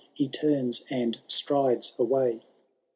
He turns and strides away